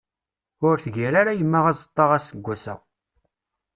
Ur tgir ara yemma azeṭṭa, aseggas-a.